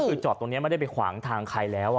คือจอดตรงนี้ไม่ได้ไปขวางทางใครแล้ว